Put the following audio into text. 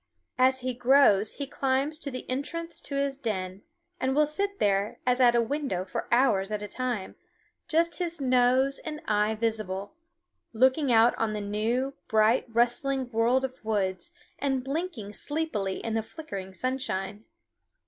As he grows he climbs to the entrance to his den, and will sit there as at a window for hours at a time, just his nose and eye visible, looking out on the new, bright, rustling world of woods, and blinking sleepily in the flickering sunshine.